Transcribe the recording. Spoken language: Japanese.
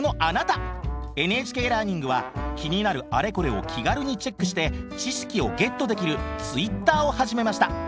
「ＮＨＫラーニング」は気になるあれこれを気軽にチェックして知識をゲットできるＴｗｉｔｔｅｒを始めました。